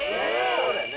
そうだよね。